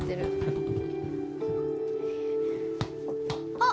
あっ！